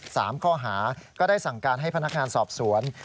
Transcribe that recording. สามข้อหาก็ได้สั่งการให้พนักงานสอบสวน